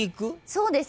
そうです。